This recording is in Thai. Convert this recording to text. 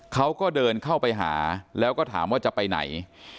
เขาก็เดินเข้าไปหาแล้วก็ถามว่าจะไปไหน